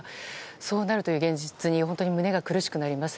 そうなる現実に本当に胸が苦しくなります。